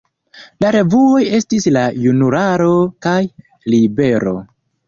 La revuoj estis "La Junularo" kaj "Libero".